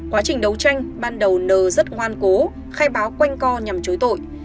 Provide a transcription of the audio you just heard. quá trình đấu tranh ban đầu n rất ngoan cố khai báo quanh co nhằm chối tội